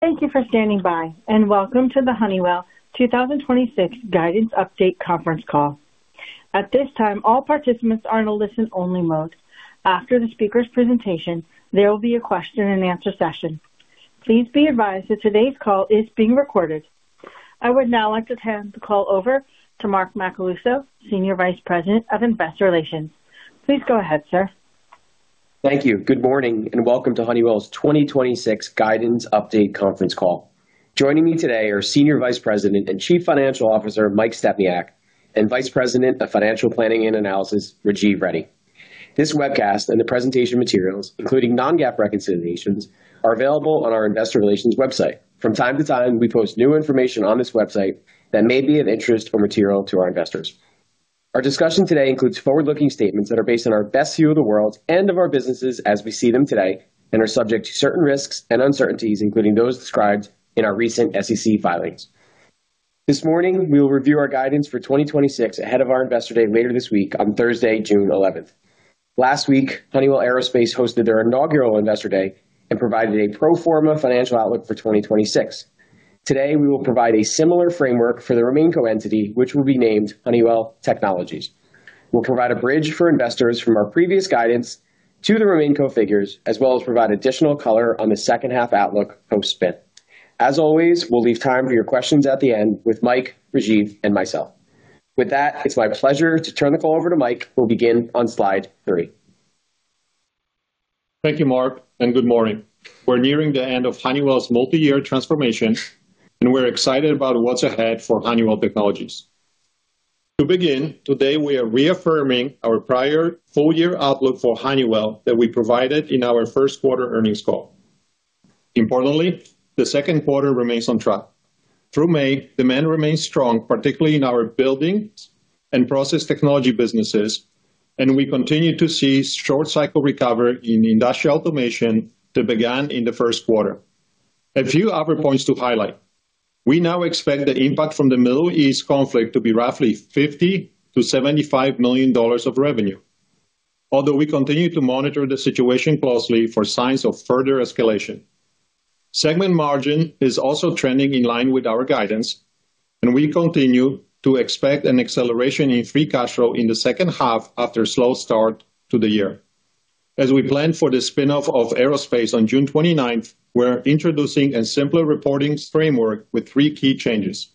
Thank you for standing by, welcome to the Honeywell 2026 Guidance Update conference call. At this time, all participants are in a listen-only mode. After the speaker's presentation, there will be a question and answer session. Please be advised that today's call is being recorded. I would now like to hand the call over to Mark Macaluso, Senior Vice President of Investor Relations. Please go ahead, sir. Thank you. Good morning, welcome to Honeywell's 2026 Guidance Update conference call. Joining me today are Senior Vice President and Chief Financial Officer Mike Stepniak, and Vice President of Financial Planning and Analysis, Rajiv Reddy. This webcast and the presentation materials, including non-GAAP reconciliations, are available on our investor relations website. From time to time, we post new information on this website that may be of interest or material to our investors. Our discussion today includes forward-looking statements that are based on our best view of the world and of our businesses as we see them today, are subject to certain risks and uncertainties, including those described in our recent SEC filings. This morning, we will review our guidance for 2026 ahead of our Investor Day later this week, on Thursday, June 11th. Last week, Honeywell Aerospace hosted their inaugural Investor Day and provided a pro forma financial outlook for 2026. Today, we will provide a similar framework for the RemainCo entity, which will be named Honeywell Technologies. We'll provide a bridge for investors from our previous guidance to the RemainCo figures, as well as provide additional color on the second half outlook post-spin. As always, we'll leave time for your questions at the end with Mike, Rajiv, and myself. With that, it's my pleasure to turn the call over to Mike, who'll begin on slide three. Thank you, Mark, good morning. We're nearing the end of Honeywell's multi-year transformation, we're excited about what's ahead for Honeywell Technologies. To begin, today we are reaffirming our prior full-year outlook for Honeywell that we provided in our first quarter earnings call. Importantly, the second quarter remains on track. Through May, demand remains strong, particularly in our buildings and process technology businesses, we continue to see short cycle recovery in industrial automation that began in the first quarter. A few other points to highlight. We now expect the impact from the Middle East conflict to be roughly $50 million-$75 million of revenue. Although we continue to monitor the situation closely for signs of further escalation. Segment margin is also trending in line with our guidance. We continue to expect an acceleration in free cash flow in the second half after a slow start to the year. As we plan for the spin-off of aerospace on June 29th, we are introducing a simpler reporting framework with three key changes.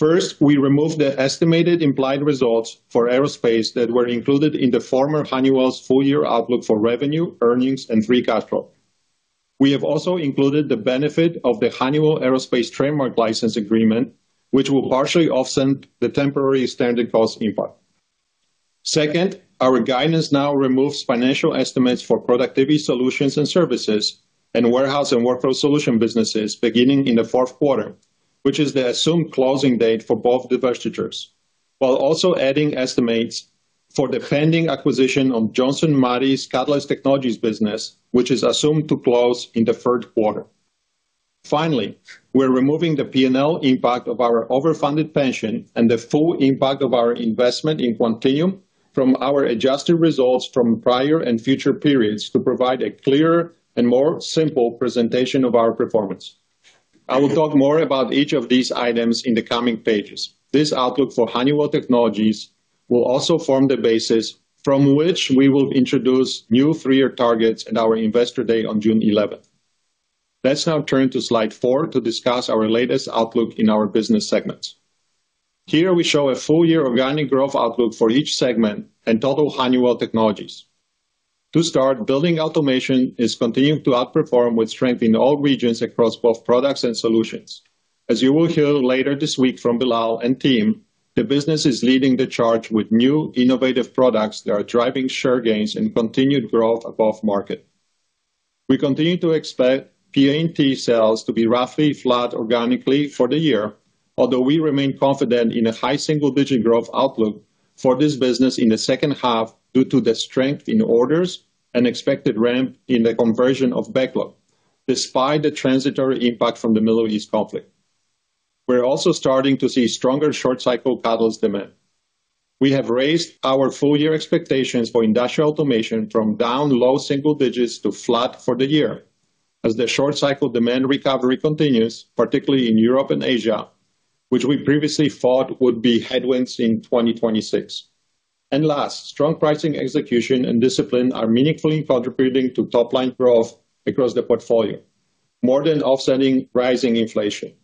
First, we removed the estimated implied results for aerospace that were included in the former Honeywell's full year outlook for revenue, earnings, and free cash flow. We have also included the benefit of the Honeywell Aerospace trademark license agreement, which will partially offset the temporary standard cost impact. Second, our guidance now removes financial estimates for Productivity Solutions and Services and Warehouse and Workflow Solutions businesses beginning in the fourth quarter, which is the assumed closing date for both divestitures, while also adding estimates for the pending acquisition of Johnson Matthey's Catalyst Technologies business, which is assumed to close in the third quarter. Finally, we are removing the P&L impact of our overfunded pension and the full impact of our investment in Quantinuum from our adjusted results from prior and future periods to provide a clearer and more simple presentation of our performance. I will talk more about each of these items in the coming pages. This outlook for Honeywell Technologies will also form the basis from which we will introduce new three-year targets at our Investor Day on June 11th. Let's now turn to slide four to discuss our latest outlook in our business segments. Here we show a full year organic growth outlook for each segment and total Honeywell Technologies. To start, building automation is continuing to outperform with strength in all regions across both products and solutions. As you will hear later this week from Bilal and team, the business is leading the charge with new innovative products that are driving share gains and continued growth above market. We continue to expect PA&T sales to be roughly flat organically for the year, although we remain confident in a high single-digit growth outlook for this business in the second half due to the strength in orders and expected ramp in the conversion of backlog, despite the transitory impact from the Middle East conflict. We are also starting to see stronger short cycle catalyst demand. We have raised our full year expectations for industrial automation from down low single digits to flat for the year as the short cycle demand recovery continues, particularly in Europe and Asia, which we previously thought would be headwinds in 2026. Last, strong pricing execution and discipline are meaningfully contributing to top-line growth across the portfolio, more than offsetting rising inflation.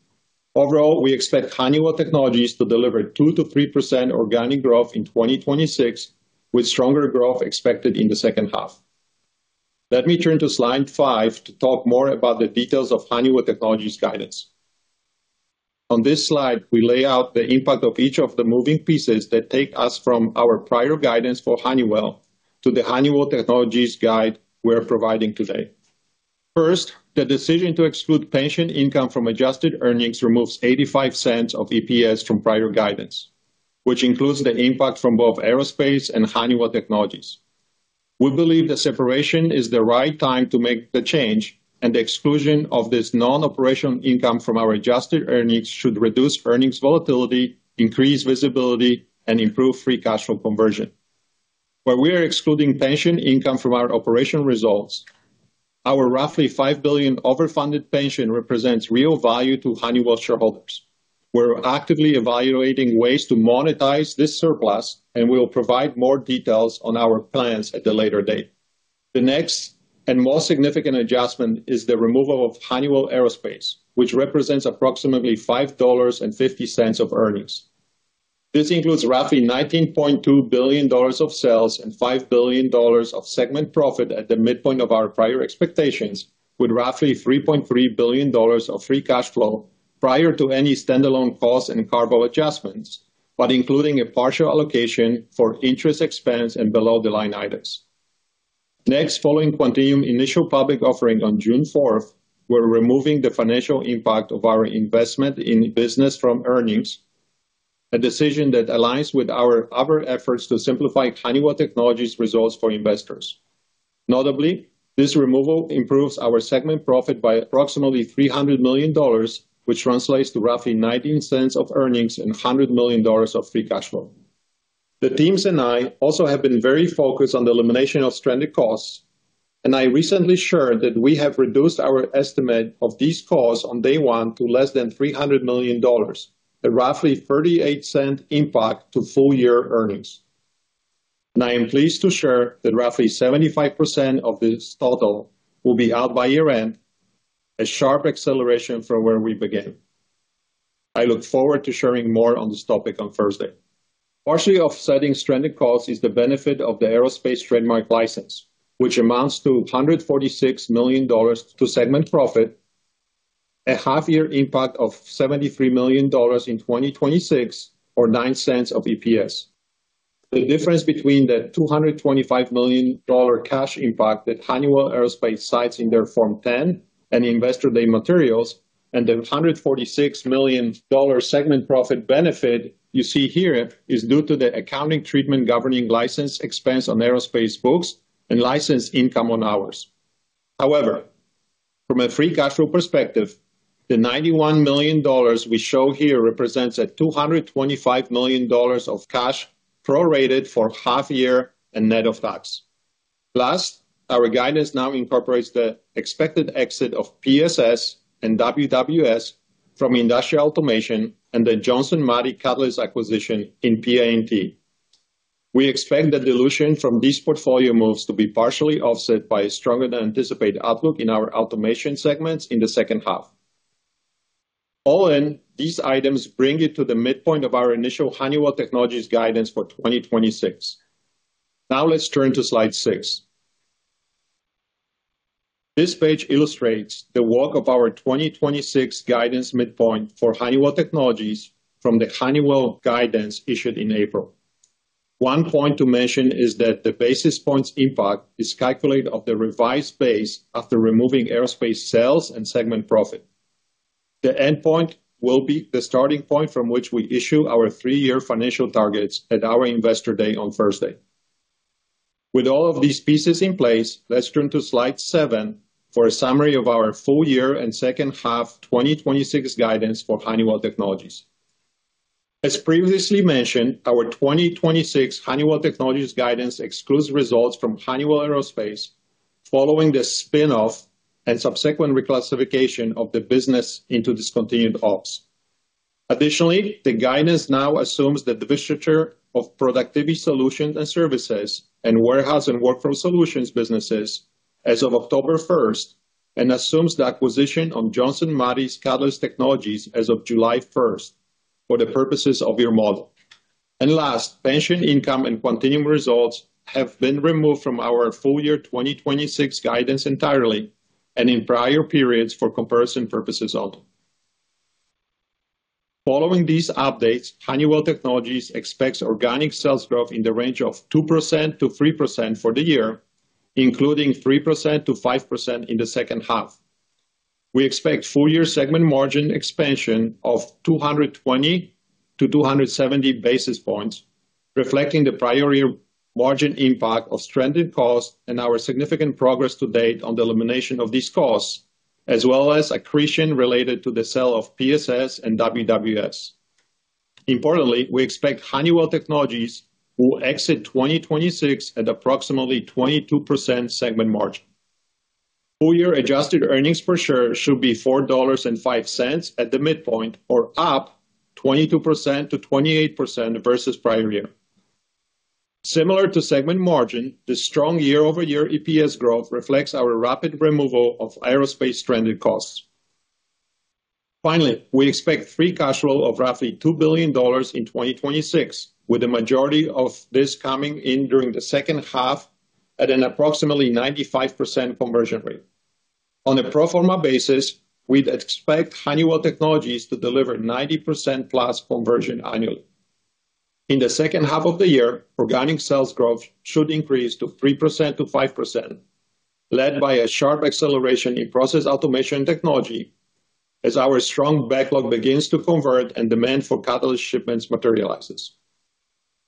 Overall, we expect Honeywell Technologies to deliver 2%-3% organic growth in 2026, with stronger growth expected in the second half. Let me turn to slide five to talk more about the details of Honeywell Technologies guidance. On this slide, we lay out the impact of each of the moving pieces that take us from our prior guidance for Honeywell to the Honeywell Technologies guide we are providing today. First, the decision to exclude pension income from adjusted earnings removes $0.85 of EPS from prior guidance, which includes the impact from both Aerospace and Honeywell Technologies. We believe the separation is the right time to make the change. The exclusion of this non-operational income from our adjusted earnings should reduce earnings volatility, increase visibility, and improve free cash flow conversion. Where we are excluding pension income from our operational results, our roughly $5 billion overfunded pension represents real value to Honeywell shareholders. We are actively evaluating ways to monetize this surplus. We will provide more details on our plans at the later date. The next and more significant adjustment is the removal of Honeywell Aerospace, which represents approximately $5.50 of earnings. This includes roughly $19.2 billion of sales and $5 billion of segment profit at the midpoint of our prior expectations, with roughly $3.3 billion of free cash flow prior to any standalone costs and carve-out adjustments, but including a partial allocation for interest expense and below-the-line items. Next, following Quantinuum initial public offering on June 4th, we are removing the financial impact of our investment in business from earnings, a decision that aligns with our other efforts to simplify Honeywell Technologies results for investors. Notably, this removal improves our segment profit by approximately $300 million, which translates to roughly $0.19 of earnings and $100 million of free cash flow. The teams and I also have been very focused on the elimination of stranded costs. I recently shared that we have reduced our estimate of these costs on day one to less than $300 million, a roughly $0.38 impact to full-year earnings. I am pleased to share that roughly 75% of this total will be out by year-end, a sharp acceleration from where we began. I look forward to sharing more on this topic on Thursday. Partially offsetting stranded costs is the benefit of the Aerospace trademark license, which amounts to $146 million to segment profit, a half-year impact of $73 million in 2026, or $0.09 of EPS. The difference between the $225 million cash impact that Honeywell Aerospace cites in their Form 10 and Investor Day materials and the $146 million segment profit benefit you see here is due to the accounting treatment governing license expense on Aerospace books and license income on ours. However, from a free cash flow perspective, the $91 million we show here represents a $225 million of cash prorated for half year and net of tax. Our guidance now incorporates the expected exit of PSS and WWS from industrial automation and the Johnson Matthey catalyst acquisition in PA&T. We expect the dilution from these portfolio moves to be partially offset by a stronger than anticipated outlook in our automation segments in the second half. All in, these items bring it to the midpoint of our initial Honeywell Technologies guidance for 2026. Let's turn to slide six. This page illustrates the work of our 2026 guidance midpoint for Honeywell Technologies from the Honeywell guidance issued in April. One point to mention is that the basis points impact is calculated of the revised base after removing aerospace sales and segment profit. The endpoint will be the starting point from which we issue our three-year financial targets at our Investor Day on Thursday. Let's turn to slide seven for a summary of our full year and second half 2026 guidance for Honeywell Technologies. As previously mentioned, our 2026 Honeywell Technologies guidance excludes results from Honeywell Aerospace following the spin-off and subsequent reclassification of the business into discontinued ops. The guidance now assumes the divestiture of Productivity Solutions and Services and Warehouse and Workflow Solutions businesses as of October 1st and assumes the acquisition of Johnson Matthey's Catalyst Technologies as of July 1st for the purposes of your model. Last, pension income and Quantinuum results have been removed from our full year 2026 guidance entirely and in prior periods for comparison purposes only. Following these updates, Honeywell Technologies expects organic sales growth in the range of 2%-3% for the year, including 3%-5% in the second half. We expect full-year segment margin expansion of 220-270 basis points, reflecting the prior-year margin impact of stranded costs and our significant progress to date on the elimination of these costs, as well as accretion related to the sale of PSS and WWS. We expect Honeywell Technologies will exit 2026 at approximately 22% segment margin. Full-year adjusted earnings per share should be $4.05 at the midpoint or up 22%-28% versus prior-year. Similar to segment margin, the strong year-over-year EPS growth reflects our rapid removal of aerospace stranded costs. We expect free cash flow of roughly $2 billion in 2026, with the majority of this coming in during the second half at an approximately 95% conversion rate. On a pro forma basis, we'd expect Honeywell Technologies to deliver 90% plus conversion annually. The second half of the year, organic sales growth should increase to 3%-5%, led by a sharp acceleration in process automation technology as our strong backlog begins to convert and demand for catalyst shipments materializes.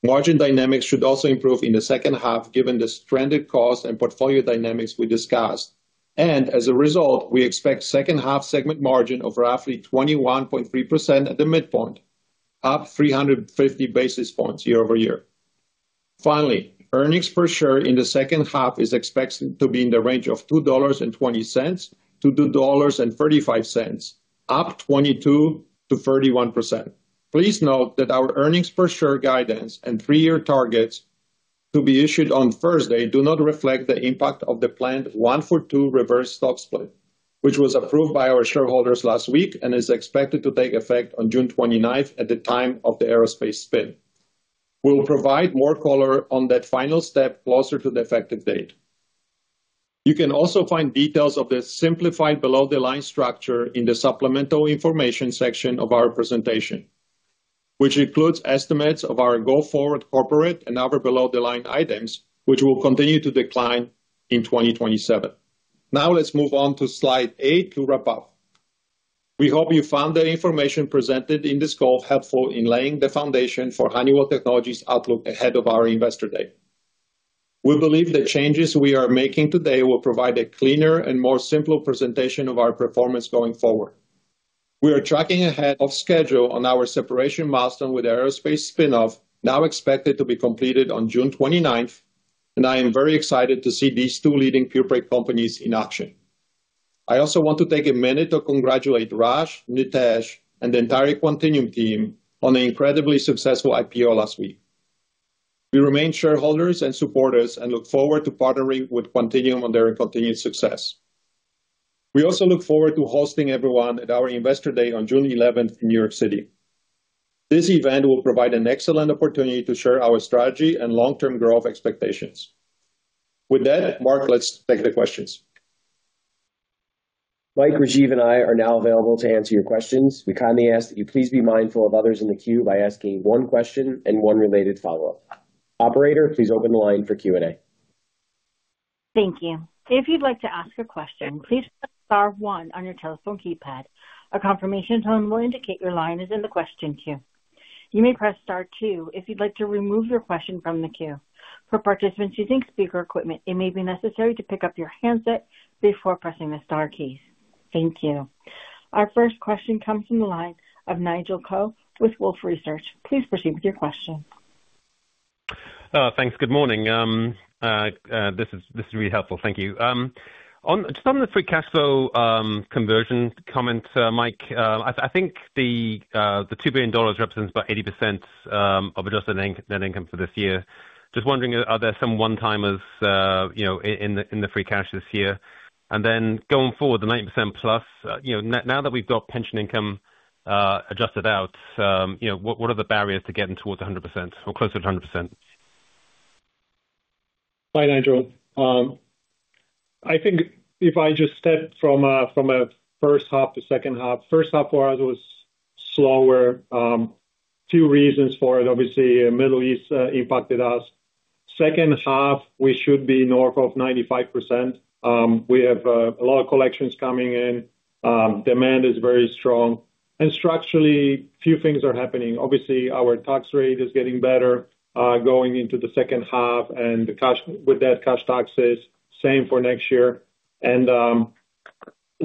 Margin dynamics should also improve in the second half given the stranded cost and portfolio dynamics we discussed. As a result, we expect second half segment margin of roughly 21.3% at the midpoint, up 350 basis points year-over-year. Earnings per share in the second half is expected to be in the range of $2.20-$2.35, up 22%-31%. Please note that our earnings per share guidance and three-year targets to be issued on Thursday do not reflect the impact of the planned one for two reverse stock split, which was approved by our shareholders last week and is expected to take effect on June 29th at the time of the aerospace spin. We'll provide more color on that final step closer to the effective date. You can also find details of the simplified below-the-line structure in the supplemental information section of our presentation, which includes estimates of our go-forward corporate and other below-the-line items, which will continue to decline in 2027. Now let's move on to slide eight to wrap up. We hope you found the information presented in this call helpful in laying the foundation for Honeywell Technologies outlook ahead of our Investor Day. We believe the changes we are making today will provide a cleaner and more simple presentation of our performance going forward. We are tracking ahead of schedule on our separation milestone, with Aerospace spin-off now expected to be completed on June 29th. I am very excited to see these two leading pure-play companies in action. I also want to take a minute to congratulate Raj, Nitesh, and the entire Quantinuum team on an incredibly successful IPO last week. We remain shareholders and supporters and look forward to partnering with Quantinuum on their continued success. We also look forward to hosting everyone at our Investor Day on June 11th in New York City. This event will provide an excellent opportunity to share our strategy and long-term growth expectations. With that, Mark, let's take the questions. Mike, Rajiv, and I are now available to answer your questions. We kindly ask that you please be mindful of others in the queue by asking one question and one related follow-up. Operator, please open the line for Q&A. Thank you. If you'd like to ask a question, please press star one on your telephone keypad. A confirmation tone will indicate your line is in the question queue. You may press star two if you'd like to remove your question from the queue. For participants using speaker equipment, it may be necessary to pick up your handset before pressing the star keys. Thank you. Our first question comes from the line of Nigel Coe with Wolfe Research. Please proceed with your question. Thanks. Good morning. This is really helpful. Thank you. On some of the free cash flow conversion comments, Mike, I think the $2 billion represents about 80% of adjusted net income for this year. Just wondering, are there some one-timers in the free cash this year? Going forward, the 90%+ now that we've got pension income adjusted out, what are the barriers to getting towards 100% or closer to 100%? Hi, Nigel. I think if I just step from a first half to second half. First half for us was slower. Two reasons for it, obviously, Middle East impacted us. Second half, we should be north of 95%. We have a lot of collections coming in. Demand is very strong. Structurally, few things are happening. Obviously, our tax rate is getting better, going into the second half and with that, cash taxes, same for next year.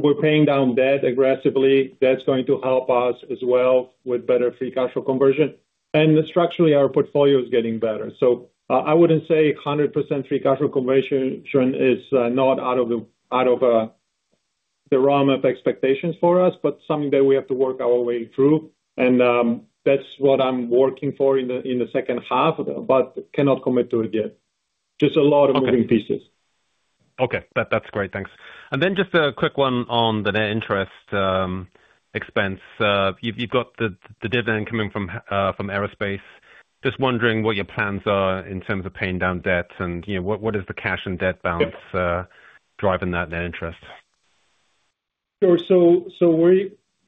We're paying down debt aggressively. That's going to help us as well with better free cash flow conversion. Structurally, our portfolio is getting better. I wouldn't say 100% free cash flow conversion is not out of the realm of expectations for us, but something that we have to work our way through. That's what I'm working for in the second half, but cannot commit to it yet. Just a lot of moving pieces. Okay. That's great. Thanks. Just a quick one on the net interest expense. You've got the dividend coming from Aerospace. Just wondering what your plans are in terms of paying down debt and what is the cash and debt balance driving that net interest? Sure.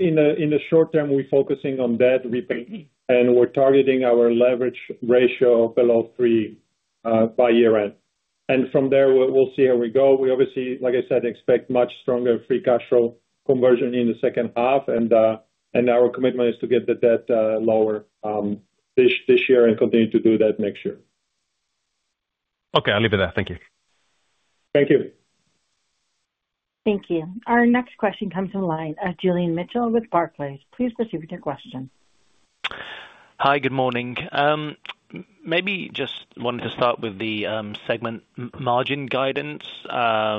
In the short term, we're focusing on debt repayment, and we're targeting our leverage ratio of below three by year-end. And from there, we'll see how we go. We obviously, like I said, expect much stronger free cash flow conversion in the second half. Our commitment is to get the debt lower this year and continue to do that next year. Okay, I'll leave it there. Thank you. Thank you. Thank you. Our next question comes from the line of Julian Mitchell with Barclays. Please proceed with your question. Hi. Good morning. Just wanted to start with the segment margin guidance. I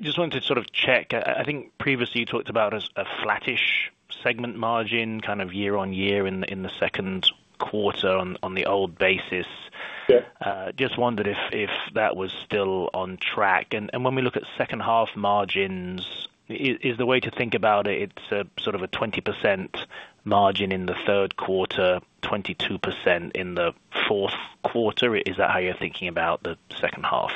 just wanted to sort of check. I think previously you talked about a flattish segment margin kind of year-over-year in the second quarter on the old basis. Yeah. Just wondered if that was still on track. When we look at second half margins, is the way to think about it's sort of a 20% margin in the third quarter, 22% in the fourth quarter. Is that how you're thinking about the second half?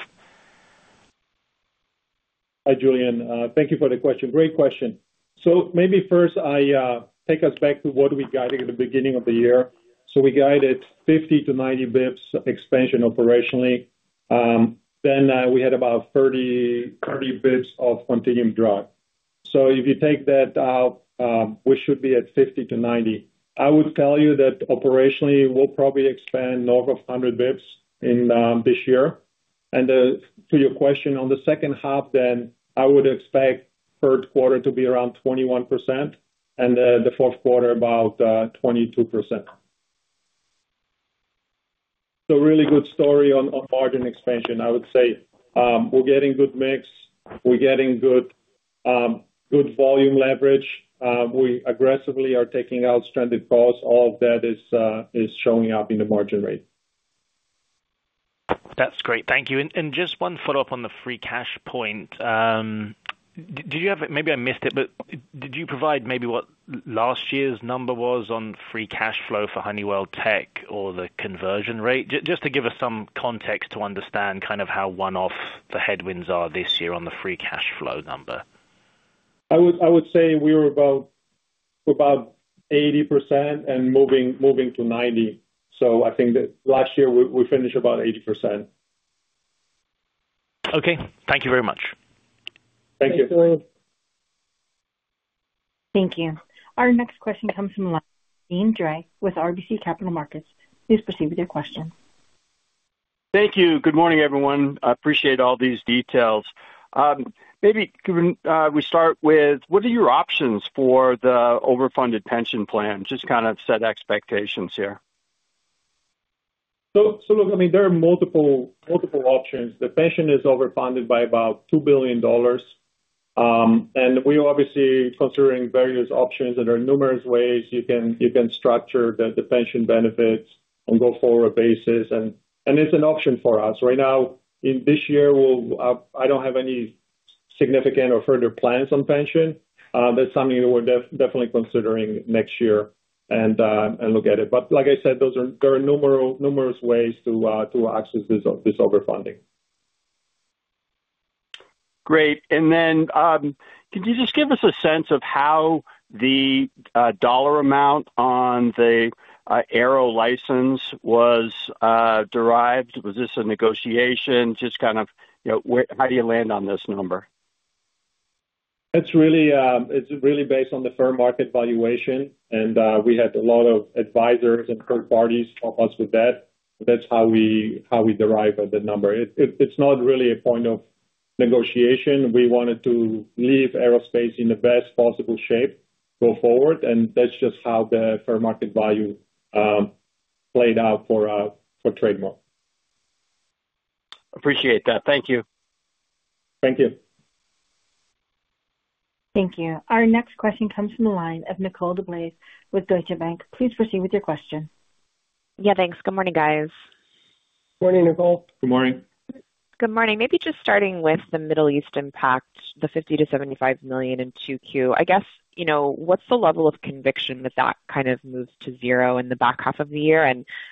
Hi, Julian. Thank you for the question. Great question. First I take us back to what we guided at the beginning of the year. We guided 50-90 basis points expansion operationally. We had about 30 basis points of Quantinuum drag. If you take that out, we should be at 50-90. I would tell you that operationally, we'll probably expand north of 100 basis points in this year. To your question on the second half, I would expect third quarter to be around 21% and the fourth quarter about 22%. Really good story on margin expansion, I would say. We're getting good mix. We're getting good volume leverage. We aggressively are taking out stranded costs. All of that is showing up in the margin rate. That's great. Thank you. Just one follow-up on the free cash point. I missed it, but did you provide maybe what last year's number was on free cash flow for Honeywell Technologies or the conversion rate? Just to give us some context to understand kind of how one-off the headwinds are this year on the free cash flow number. I would say we were about 80% and moving to 90. I think that last year we finished about 80%. Okay. Thank you very much. Thank you. Thanks, Julian. Thank you. Our next question comes from the line of Deane Dray with RBC Capital Markets. Please proceed with your question. Thank you. Good morning, everyone. I appreciate all these details. Maybe can we start with, what are your options for the overfunded pension plan? Just kind of set expectations here. Look, there are multiple options. The pension is overfunded by about $2 billion, and we're obviously considering various options, and there are numerous ways you can structure the pension benefits on go-forward basis, and it's an option for us. Right now, in this year, I don't have any significant or further plans on pension. That's something that we're definitely considering next year and look at it. Like I said, there are numerous ways to access this overfunding. Great. Then, can you just give us a sense of how the dollar amount on the Aero license was derived? Was this a negotiation? Just kind of how do you land on this number? It's really based on the fair market valuation, and we had a lot of advisors and third parties help us with that. That's how we derive at that number. It's not really a point of negotiation. We wanted to leave aerospace in the best possible shape go forward, and that's just how the fair market value played out for trademark. Appreciate that. Thank you. Thank you. Thank you. Our next question comes from the line of Nicole DeBlase with Deutsche Bank. Please proceed with your question. Yeah, thanks. Good morning, guys. Morning, Nicole. Good morning. Good morning. Maybe just starting with the Middle East impact, the $50 million-$75 million in 2Q. I guess, what's the level of conviction that that kind of moves to zero in the back half of the year?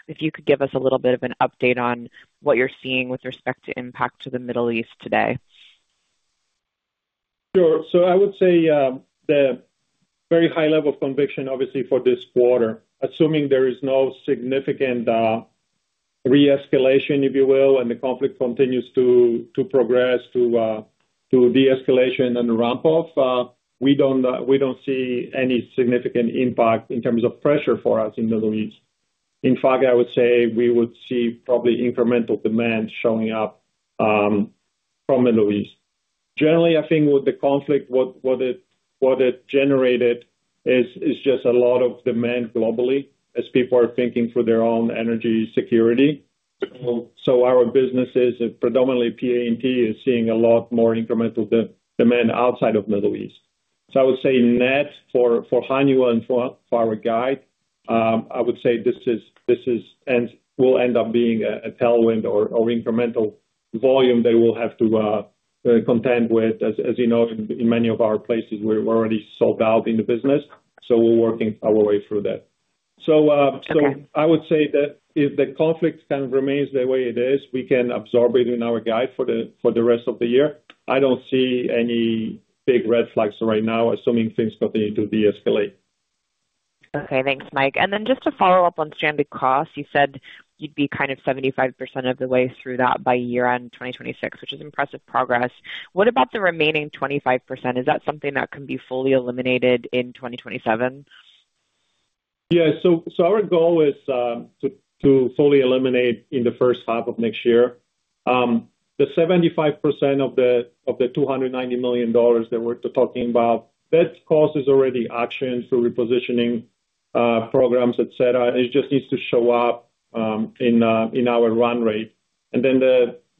If you could give us a little bit of an update on what you're seeing with respect to impact to the Middle East today. Sure. I would say the very high level of conviction, obviously, for this quarter, assuming there is no significant re-escalation, if you will, and the conflict continues to progress to de-escalation and ramp off, we don't see any significant impact in terms of pressure for us in Middle East. In fact, I would say we would see probably incremental demand showing up from Middle East. Generally, I think with the conflict, what it generated is just a lot of demand globally as people are thinking for their own energy security. Our businesses, predominantly PA&T, is seeing a lot more incremental demand outside of Middle East. I would say net for Honeywell and for our guide, I would say this will end up being a tailwind or incremental volume that we'll have to contend with. As you know, in many of our places, we're already sold out in the business, so we're working our way through that. Okay. I would say that if the conflict kind of remains the way it is, we can absorb it in our guide for the rest of the year. I don't see any big red flags right now, assuming things continue to de-escalate. Okay. Thanks, Mike. Just to follow up on stranded costs, you said you'd be kind of 75% of the way through that by year-end 2026, which is impressive progress. What about the remaining 25%? Is that something that can be fully eliminated in 2027? Yeah. Our goal is to fully eliminate in the first half of next year. The 75% of the $290 million that we're talking about, that cost is already actioned through repositioning programs, et cetera. It just needs to show up in our run rate.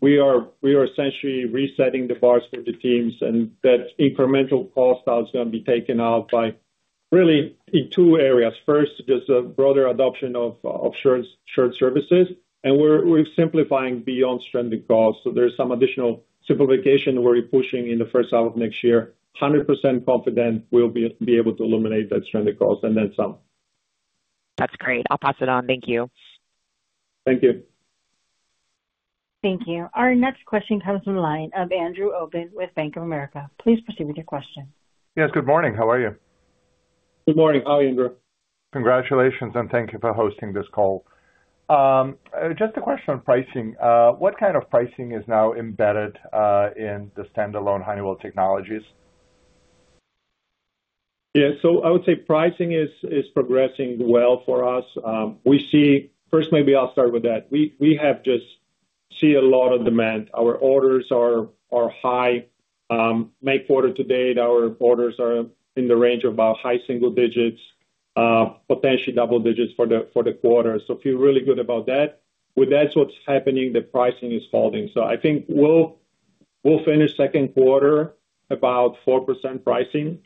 We are essentially resetting the bars for the teams, and that incremental cost out is going to be taken out by really in two areas. First, just a broader adoption of shared services, and we're simplifying beyond stranded costs. There's some additional simplification we're pushing in the first half of next year. 100% confident we'll be able to eliminate that stranded cost and then some. That's great. I'll pass it on. Thank you. Thank you. Thank you. Our next question comes from the line of Andrew Obin with Bank of America. Please proceed with your question. Yes, good morning. How are you? Good morning. How are you, Andrew? Congratulations, thank you for hosting this call. Just a question on pricing. What kind of pricing is now embedded in the standalone Honeywell Technologies? Yeah. I would say pricing is progressing well for us. First, maybe I'll start with that. We have just seen a lot of demand. Our orders are high. May quarter to date, our orders are in the range of about high single digits, potentially double digits for the quarter. Feel really good about that. With that, what's happening, the pricing is falling. I think we'll finish second quarter about 4% pricing,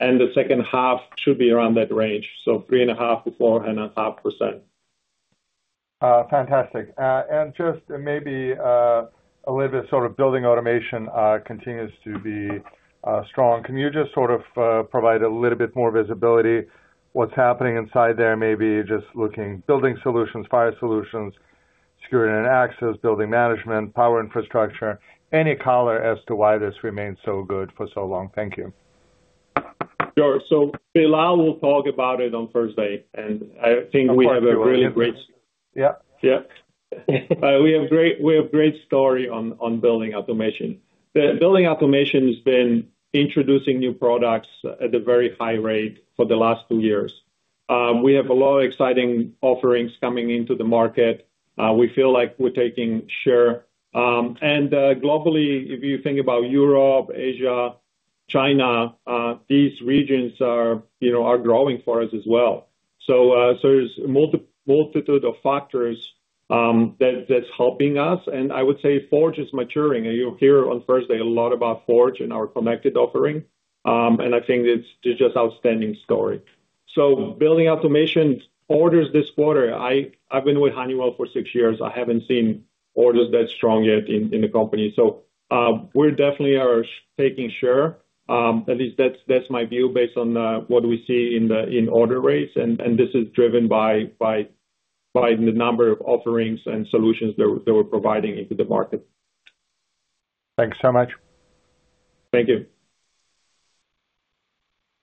and the second half should be around that range, 3.5%-4.5%. Just maybe a little bit, building automation continues to be strong. Can you just provide a little bit more visibility, what's happening inside there? Maybe just looking building solutions, fire solutions, security and access, building management, power infrastructure. Any color as to why this remains so good for so long. Thank you. Sure. Billal will talk about it on Thursday, and I think we have a really great. Yeah. Yeah. We have great story on building automation. Building automation has been introducing new products at a very high rate for the last two years. We have a lot of exciting offerings coming into the market. We feel like we're taking share. Globally, if you think about Europe, Asia, China, these regions are growing for us as well. There's a multitude of factors that's helping us, I would say Forge is maturing, and you'll hear on Thursday a lot about Forge and our connected offering. I think it's just outstanding story. Building automation orders this quarter, I've been with Honeywell for six years, I haven't seen orders that strong yet in the company. We're definitely are taking share. At least that's my view based on what we see in order rates, this is driven by the number of offerings and solutions that we're providing into the market. Thanks so much. Thank you.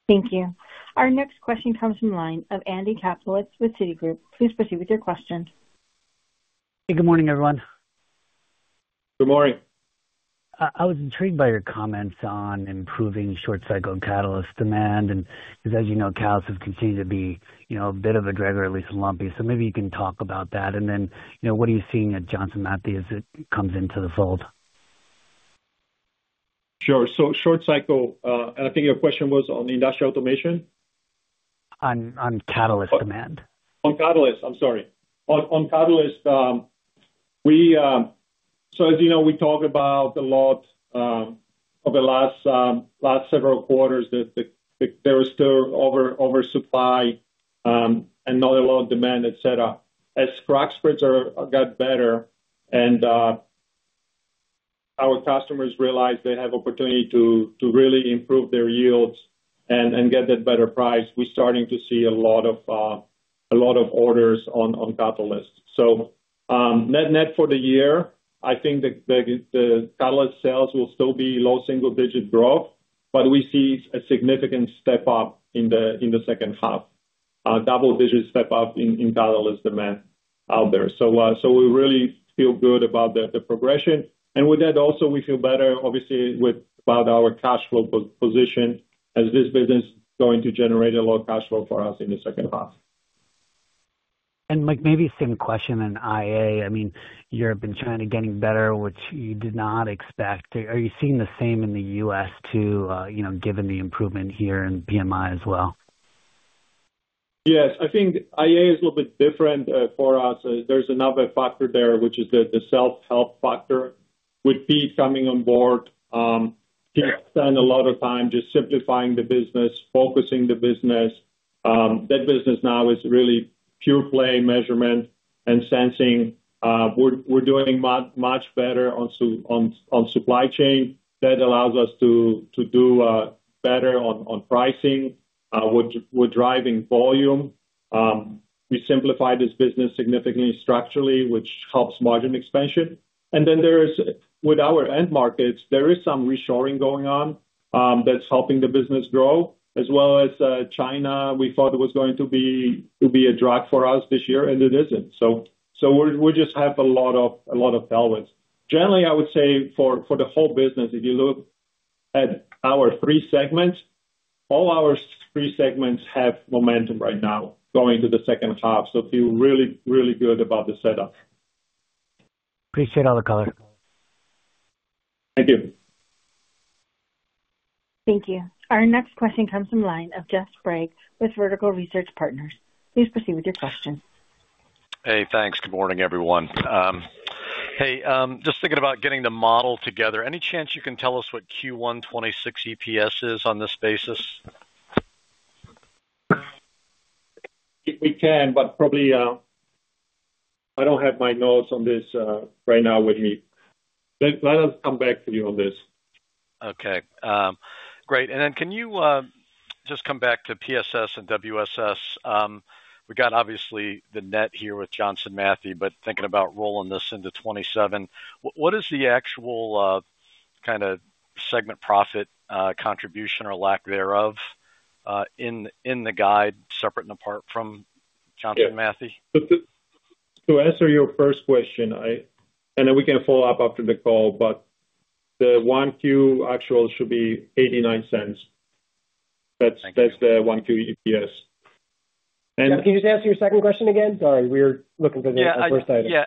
Thank you. Our next question comes from the line of Andrew Kaplowitz with Citigroup. Please proceed with your question. Hey, good morning, everyone. Good morning. I was intrigued by your comments on improving short cycle catalyst demand, because as you know, catalyst has continued to be a bit of a dragger, at least in lumpy. Maybe you can talk about that, then what are you seeing at Johnson Matthey as it comes into the fold? Sure. Short cycle, I think your question was on industrial automation? On catalyst demand. On Catalyst. I'm sorry. On Catalyst. As you know, we talk about a lot of the last several quarters that there is still oversupply, and not a lot of demand, et cetera. As crack spreads got better and our customers realized they have opportunity to really improve their yields and get that better price, we're starting to see a lot of orders on Catalyst. Net for the year, I think the Catalyst sales will still be low single-digit growth, but we see a significant step up in the second half, a double-digit step up in Catalyst demand out there. We really feel good about the progression. With that also, we feel better obviously about our cash flow position as this business is going to generate a lot of cash flow for us in the second half. Mike, maybe same question in IA. Europe and China getting better, which you did not expect. Are you seeing the same in the U.S. too, given the improvement here in PMI as well? I think IA is a little bit different for us. There's another factor there, which is the self-help factor with Pete coming on board. Pete spent a lot of time just simplifying the business, focusing the business. That business now is really pure-play measurement and sensing. We're doing much better on supply chain. That allows us to do better on pricing. We're driving volume. We simplified this business significantly structurally, which helps margin expansion. With our end markets, there is some reshoring going on that's helping the business grow as well as China, we thought was going to be a drag for us this year, and it isn't. We just have a lot of tailwinds. Generally, I would say for the whole business, if you look at our three segments, all our three segments have momentum right now going into the second half. Feel really, really good about the setup. Appreciate all the color. Thank you. Thank you. Our next question comes from line of Jeff Sprague with Vertical Research Partners. Please proceed with your question. Hey, thanks. Good morning, everyone. Hey, just thinking about getting the model together. Any chance you can tell us what Q1 2026 EPS is on this basis? We can, but probably I don't have my notes on this right now with me. Let us come back to you on this. Okay. Great. Can you just come back to PSS and WSS. We got obviously the net here with Johnson Matthey, but thinking about rolling this into 2027, what is the actual kind of segment profit contribution or lack thereof in the guide separate and apart from Johnson Matthey? Yeah. To answer your first question, and then we can follow up after the call, but the 1Q actual should be $0.89. Thank you. That's the 1Q EPS. Jeff, can you just ask your second question again? Sorry, we're looking for the first item. Yeah.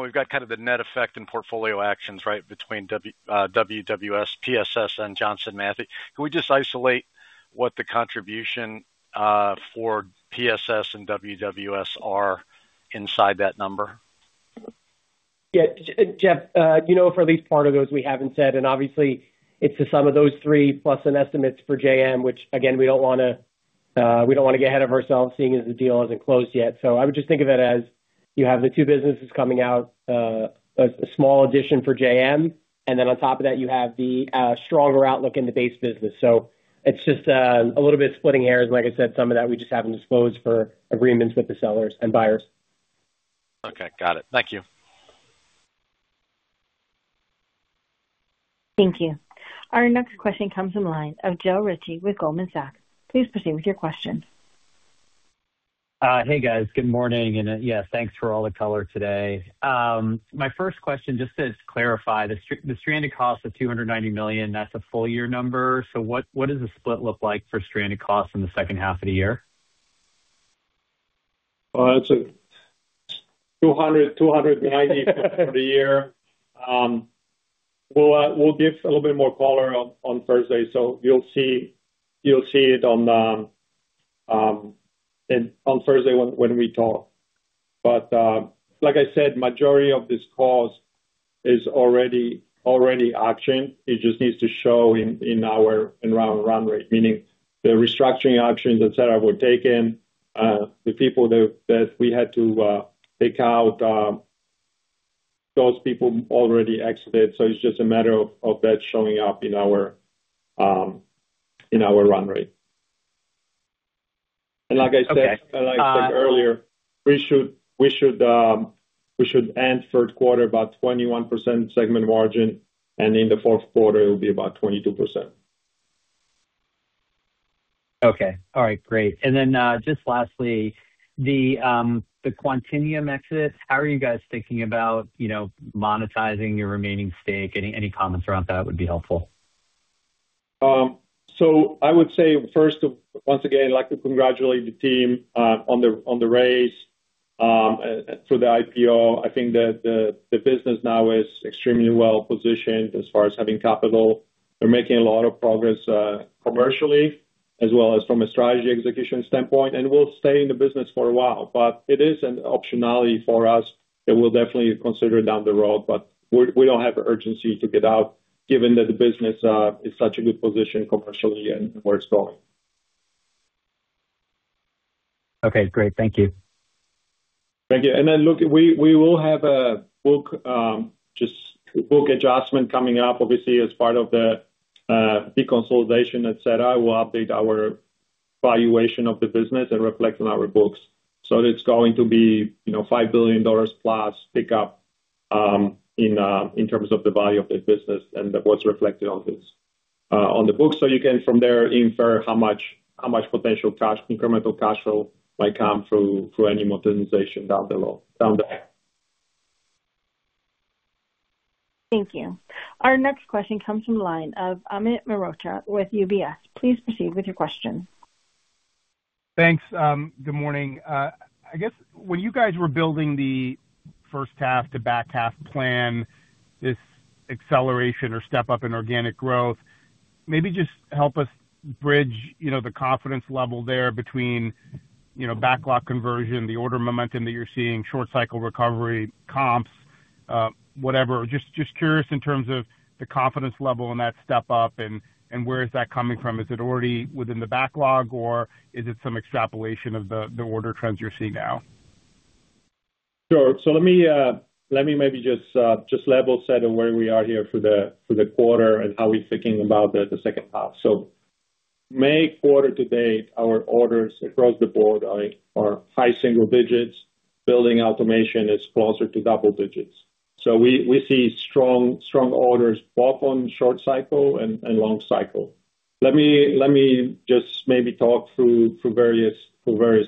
We've got kind of the net effect in portfolio actions, right, between WWS, PSS, and Johnson Matthey. Can we just isolate what the contribution for PSS and WWS are inside that number? Yeah. Jeff, for at least part of those we haven't said, obviously it's the sum of those three plus an estimates for JM, which again, we don't want to get ahead of ourselves seeing as the deal isn't closed yet. I would just think of it as you have the two businesses coming out, a small addition for JM, and then on top of that, you have the stronger outlook in the base business. It's just a little bit of splitting hairs. Like I said, some of that we just haven't disclosed for agreements with the sellers and buyers. Okay. Got it. Thank you. Thank you. Our next question comes from the line of Joe Ritchie with Goldman Sachs. Please proceed with your question. Hey, guys. Good morning. Yeah, thanks for all the color today. My first question, just to clarify, the stranded cost of $290 million, that's a full year number. What does the split look like for stranded costs in the second half of the year? Well, that's a $290 million for the year. We'll give a little bit more color on Thursday. You'll see it on Thursday when we talk. Like I said, majority of this cost is already actioned. It just needs to show in our run rate, meaning the restructuring actions, et cetera, were taken. The people that we had to take out, those people already exited. It's just a matter of that showing up in our run rate. Like I said. Okay Earlier, we should end third quarter about 21% segment margin, and in the fourth quarter, it'll be about 22%. Okay. All right, great. Then, just lastly, the Quantinuum exit, how are you guys thinking about monetizing your remaining stake? Any comments around that would be helpful. I would say first, once again, I'd like to congratulate the team on the raise for the IPO. I think that the business now is extremely well-positioned as far as having capital. They're making a lot of progress commercially as well as from a strategy execution standpoint, will stay in the business for a while. It is an optionality for us that we'll definitely consider down the road, but we don't have the urgency to get out given that the business is such a good position commercially and where it's going. Okay, great. Thank you. Thank you. Look, we will have a book adjustment coming up obviously as part of the deconsolidation, et cetera. We'll update our valuation of the business and reflect on our books. It's going to be a $5 billion plus pickup in terms of the value of the business and what's reflected on the books. You can from there infer how much potential incremental cash flow might come through any monetization down the road. Thank you. Our next question comes from the line of Amit Mehrotra with UBS. Please proceed with your question. Thanks. Good morning. I guess when you guys were building the first half to back half plan, this acceleration or step up in organic growth, maybe just help us bridge the confidence level there between backlog conversion, the order momentum that you're seeing, short cycle recovery comps, whatever. Just curious in terms of the confidence level in that step up and where is that coming from? Is it already within the backlog or is it some extrapolation of the order trends you're seeing now? Sure. Let me maybe just level set on where we are here for the quarter and how we're thinking about the second half. May quarter-to-date, our orders across the board are high single digits. building automation is closer to double digits. We see strong orders both on short cycle and long cycle. Let me just maybe talk through various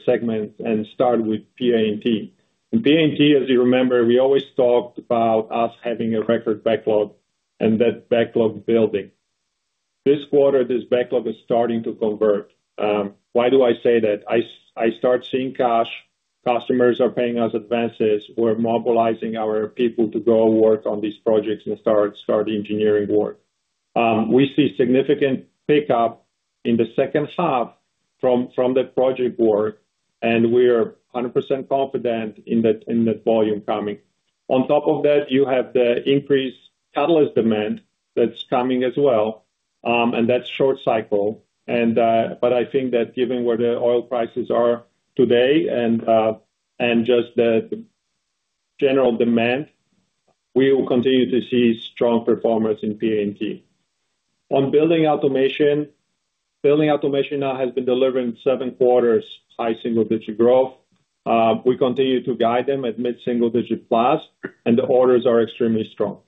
segments and start with PA&T. In PA&T, as you remember, we always talked about us having a record backlog and that backlog building. This quarter, this backlog is starting to convert. Why do I say that? I start seeing cash. Customers are paying us advances. We're mobilizing our people to go work on these projects and start engineering work. We see significant pickup in the second half from that project work, and we're 100% confident in that volume coming. On top of that, you have the increased catalyst demand that's coming as well. That's short cycle. I think that given where the oil prices are today and just the general demand, we will continue to see strong performance in PA&T. On building automation, building automation now has been delivering seven quarters high single-digit growth. We continue to guide them at mid-single digit plus. The orders are extremely strong.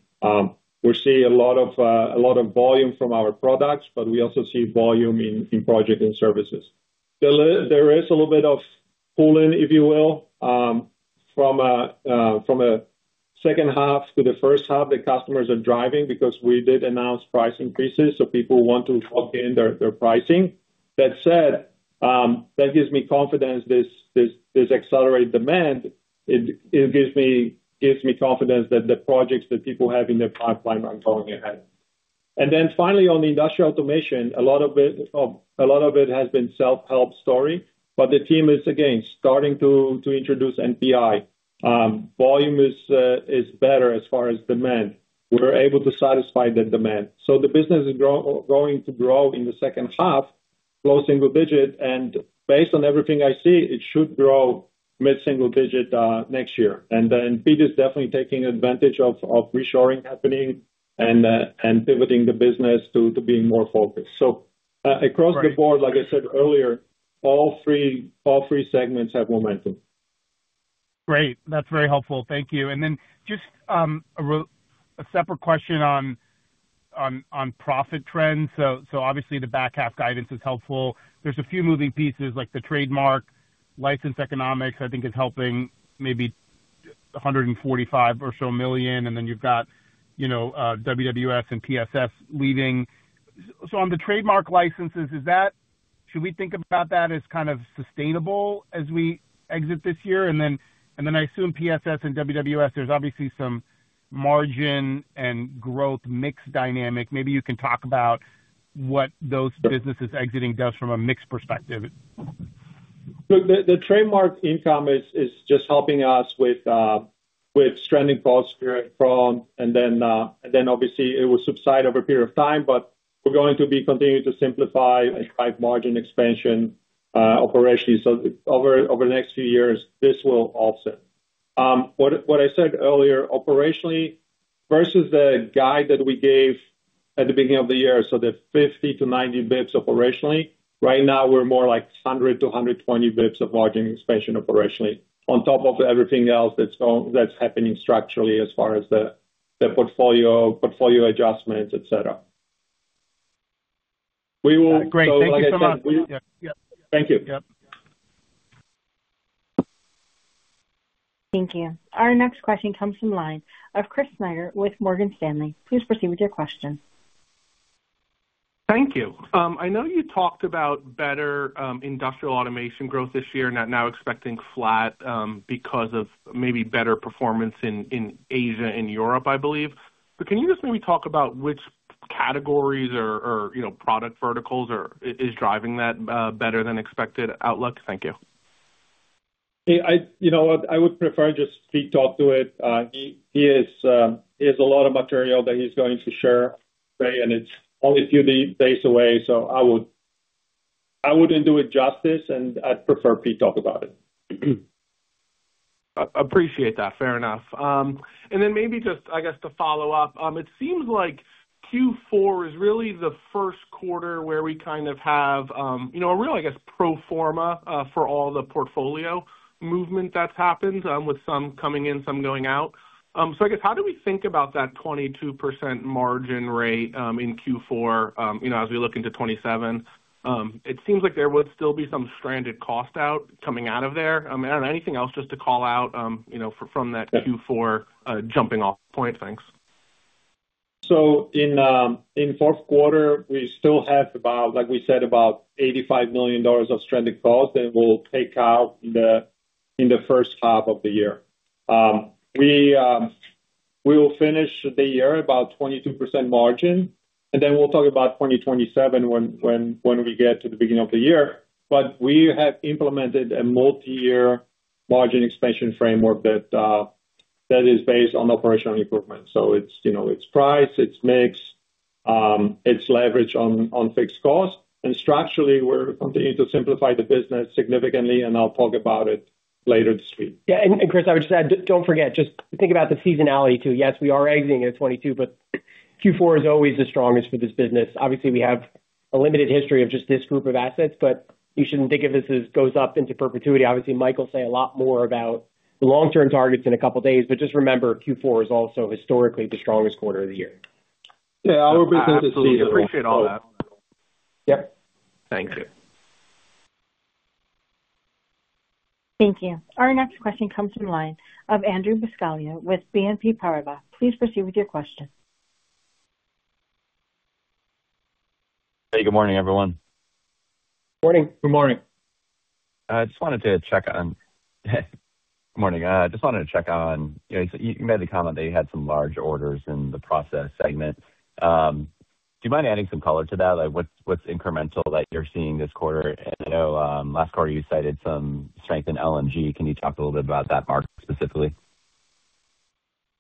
We're seeing a lot of volume from our products, but we also see volume in project and services. There is a little bit of pull-in, if you will, from a second half to the first half the customers are driving because we did announce price increases, so people want to lock in their pricing. That said, that gives me confidence, this accelerated demand, it gives me confidence that the projects that people have in their pipeline are going ahead. Great. That's very helpful. Thank you. Finally, on the industrial automation, a lot of it has been self-help story, but the team is again starting to introduce NPI. Volume is better as far as demand. We're able to satisfy the demand. The business is going to grow in the second half, low single digit, and based on everything I see, it should grow mid-single digit next year. Pete is definitely taking advantage of reshoring happening and pivoting the business to being more focused. Across the board, like I said earlier, all three segments have momentum. Great. That's very helpful. Thank you. Just a separate question on profit trends. Obviously the back half guidance is helpful. There's a few moving pieces like the trademark license economics I think is helping maybe $145 million or so, and then you've got WWS and PSS leaving. On the trademark licenses, should we think about that as kind of sustainable as we exit this year? I assume PSS and WWS, there's obviously some margin and growth mix dynamic. Maybe you can talk about what those businesses exiting does from a mix perspective. Look, the trademark income is just helping us with stranding costs from. Obviously it will subside over a period of time, but we're going to be continuing to simplify and drive margin expansion operations. Over the next few years, this will offset. What I said earlier, operationally versus the guide that we gave at the beginning of the year, the 50-90 basis points operationally. Right now we're more like 100-120 basis points of margin expansion operationally on top of everything else that's happening structurally as far as the portfolio adjustments, et cetera. We will. Great. Thank you so much. Thank you. Yep. Thank you. Our next question comes from line of Chris Snyder with Morgan Stanley. Please proceed with your question. Thank you. I know you talked about better industrial automation growth this year, now expecting flat because of maybe better performance in Asia and Europe, I believe. Can you just maybe talk about which categories or product verticals is driving that better than expected outlook? Thank you. You know what? I would prefer just Pete talk to it. He has a lot of material that he's going to share today, and it's only a few days away, so I wouldn't do it justice, and I'd prefer Pete talk about it. Appreciate that. Fair enough. Then maybe just, I guess, to follow up. It seems like Q4 is really the first quarter where we kind of have a real, I guess, pro forma for all the portfolio movement that's happened, with some coming in, some going out. I guess how do we think about that 22% margin rate in Q4 as we look into 2027? It seems like there would still be some stranded cost out coming out of there. Anything else just to call out from that Q4 jumping off point? Thanks. In fourth quarter, we still have about, like we said, about $85 million of stranded costs that we'll take out in the first half of the year. We will finish the year about 22% margin, then we'll talk about 2027 when we get to the beginning of the year. We have implemented a multi-year margin expansion framework that is based on operational improvement. It's price, it's mix, it's leverage on fixed cost. Structurally, we're continuing to simplify the business significantly, and I'll talk about it later this week. Yeah. Chris, I would just add, don't forget, just think about the seasonality too. Yes, we are exiting at 22%, Q4 is always the strongest for this business. Obviously, we have a limited history of just this group of assets, you shouldn't think of this as goes up into perpetuity. Obviously, Mike will say a lot more about the long-term targets in a couple of days, just remember, Q4 is also historically the strongest quarter of the year. Yeah. I would repeat what Pete said. Absolutely appreciate all that. Yep. Thank you. Thank you. Our next question comes from line of Andrew Buscaglia with BNP Paribas. Please proceed with your question. Hey, good morning, everyone. Morning. Good morning. Good morning. You made the comment that you had some large orders in the process segment. Do you mind adding some color to that? Like what's incremental that you're seeing this quarter? I know last quarter you cited some strength in LNG. Can you talk a little bit about that market specifically?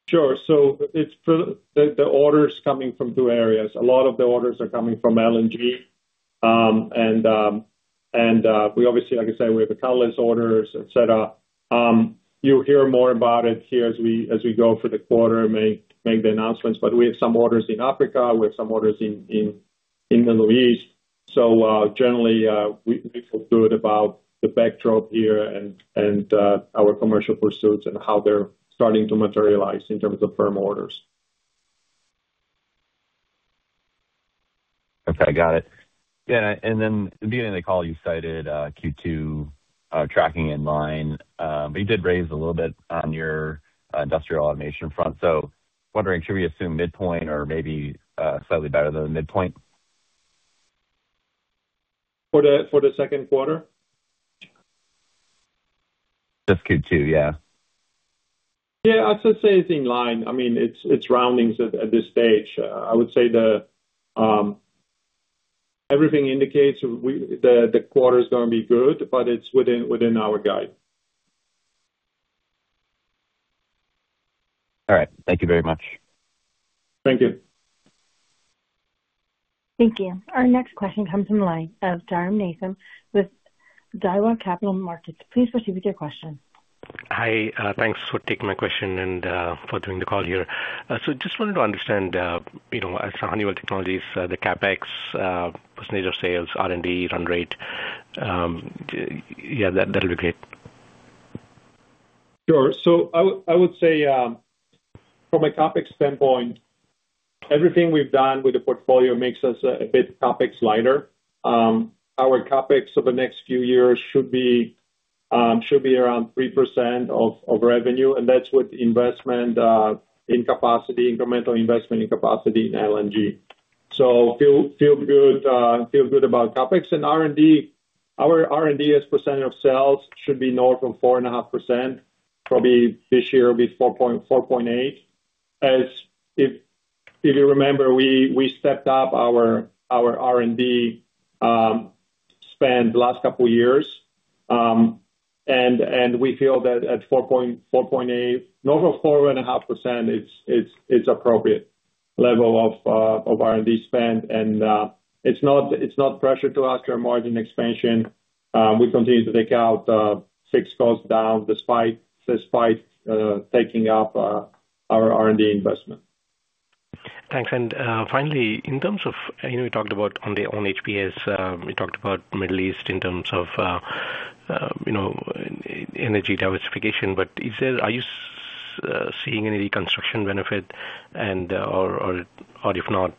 Sure. The orders coming from two areas. A lot of the orders are coming from LNG. We obviously, like I said, we have a countless orders, et cetera. You'll hear more about it here as we go through the quarter and make the announcements. We have some orders in Africa, we have some orders in the Middle East. Generally, we feel good about the backdrop here and our commercial pursuits and how they're starting to materialize in terms of firm orders. Okay, got it. At the beginning of the call, you cited Q2 tracking in line. You did raise a little bit on your industrial automation front. Wondering, should we assume midpoint or maybe slightly better than the midpoint? For the second quarter? Just Q2, yeah. I'd just say it's in line. It's roundings at this stage. I would say that everything indicates the quarter is going to be good, it's within our guide. All right. Thank you very much. Thank you. Thank you. Our next question comes from the line of Jairam Nathan with Daiwa Capital Markets. Please proceed with your question. Hi, thanks for taking my question and for doing the call here. Just wanted to understand, as Honeywell Technologies, the CapEx, percentage of sales, R&D run rate. Yeah, that'll be great. Sure. I would say, from a topic standpoint, everything we've done with the portfolio makes us a bit CapEx lighter. Our CapEx over the next few years should be around 3% of revenue, and that's with investment in capacity, incremental investment in capacity in LNG. Feel good about CapEx. R&D, our R&D as % of sales should be north of 4.5%. Probably this year it'll be 4.8. If you remember, we stepped up our R&D spend the last couple of years, and we feel that at 4.8, north of 4.5% it's appropriate level of R&D spend. It's not pressure to us or margin expansion. We continue to take out fixed costs down despite taking up our R&D investment. Thanks. Finally, in terms of, you talked about on the HPS, we talked about Middle East in terms of energy diversification, are you seeing any reconstruction benefit? Or if not,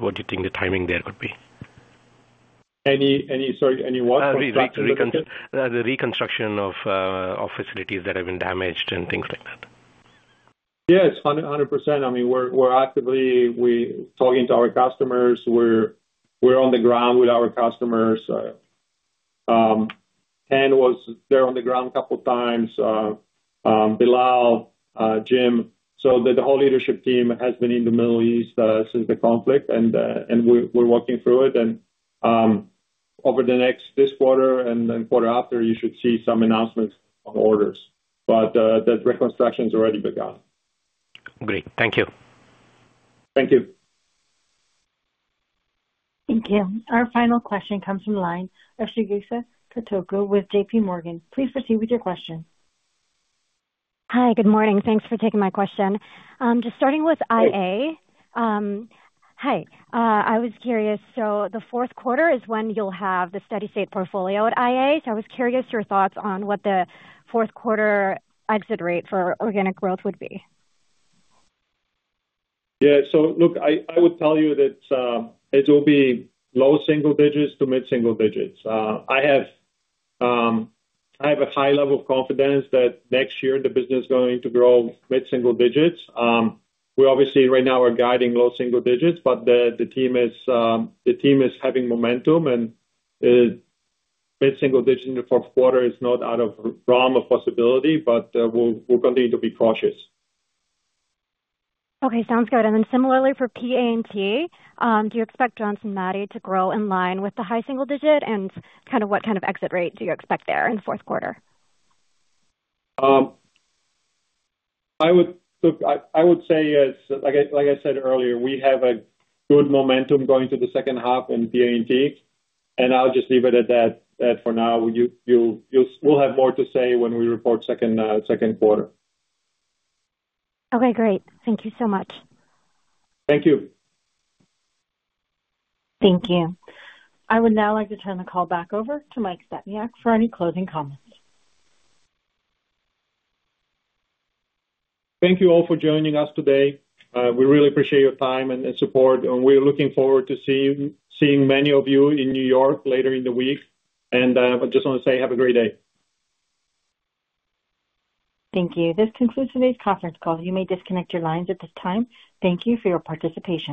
what do you think the timing there could be? Sorry, any what? The reconstruction of facilities that have been damaged and things like that. Yeah, it's 100%. We're actively talking to our customers. We're on the ground with our customers. Ken was there on the ground a couple of times. Billal, Jim. The whole leadership team has been in the Middle East since the conflict, and we're working through it. Over this quarter and then quarter after, you should see some announcements on orders. The reconstruction's already begun. Great. Thank you. Thank you. Thank you. Our final question comes from the line of Chigusa Katoku with JPMorgan. Please proceed with your question. Hi, good morning. Thanks for taking my question. Just starting with IA- Hey. Hi. I was curious, the fourth quarter is when you'll have the steady state portfolio at IA, I was curious your thoughts on what the fourth quarter exit rate for organic growth would be. Yeah. Look, I would tell you that it will be low single digits to mid-single digits. I have a high level of confidence that next year the business is going to grow mid-single digits. We obviously right now are guiding low single digits, the team is having momentum, mid-single digit in the fourth quarter is not out of realm of possibility, we'll continue to be cautious. Okay, sounds good. Then similarly for PA&T, do you expect Johnson Matthey to grow in line with the high single digit? What kind of exit rate do you expect there in the fourth quarter? I would say, like I said earlier, we have a good momentum going through the second half in PA&T, and I'll just leave it at that for now. We'll have more to say when we report second quarter. Okay, great. Thank you so much. Thank you. Thank you. I would now like to turn the call back over to Mike Stepniak for any closing comments. Thank you all for joining us today. We really appreciate your time and support, and we're looking forward to seeing many of you in New York later in the week. I just want to say have a great day. Thank you. This concludes today's conference call. You may disconnect your lines at this time. Thank you for your participation.